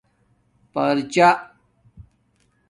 پرچہ